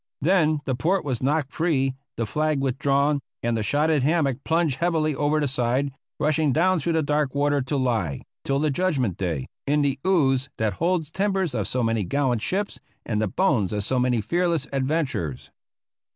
Then the port was knocked free, the flag withdrawn, and the shotted hammock plunged heavily over the side, rushing down through the dark water to lie, till the Judgment Day, in the ooze that holds the timbers of so many gallant ships, and the bones of so many fearless adventurers.